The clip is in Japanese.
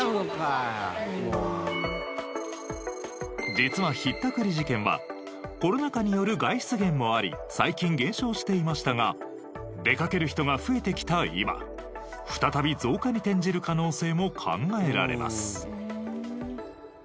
実はひったくり事件はコロナ禍による外出減もあり最近減少していましたが出かける人が増えてきた今再び増加に転じる可能性も考えられます。